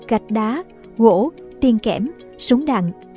gạch đá gỗ tiền kẻm súng đạn